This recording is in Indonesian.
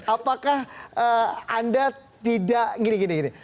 apakah anda tidak gini gini